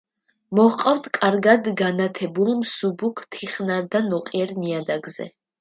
მოჰყავთ კარგად განათებულ, მსუბუქ თიხნარ და ნოყიერ ნიადაგზე.